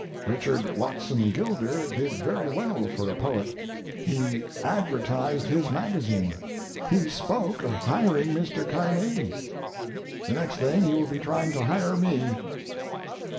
Richard Watson Gilder did very well for a poet. He advertised his magazine. He spoke of hiring Mr. Carnegie—the next thing he will be trying to hire me.